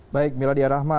baik milady arrahma